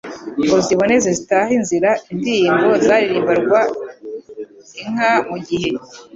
ngo ziboneze zitahe Inzira: Indirimbo zaririmbirwaga inka mu gihe